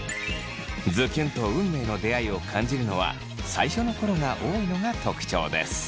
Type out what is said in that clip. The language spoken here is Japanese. ズキュンと運命の出会いを感じるのは最初の頃が多いのが特徴です。